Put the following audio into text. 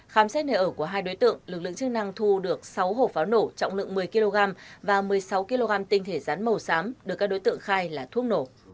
khám xét nơi ở của hai đối tượng lực lượng chức năng thu được sáu hộp pháo nổ trọng lượng một mươi kg và một mươi sáu kg tinh thể rán màu xám